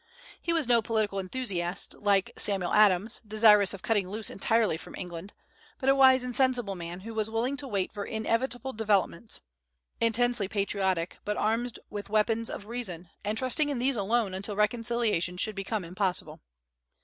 He was no political enthusiast like Samuel Adams, desirous of cutting loose entirely from England, but a wise and sensible man, who was willing to wait for inevitable developments; intensely patriotic, but armed with the weapons of reason, and trusting in these alone until reconciliation should become impossible.